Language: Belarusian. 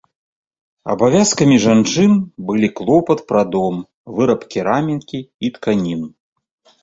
Абавязкамі жанчын былі клопат пра дом, выраб керамікі і тканін.